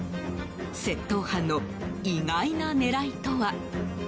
窃盗犯の意外な狙いとは。